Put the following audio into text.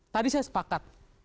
tadi saya sepakat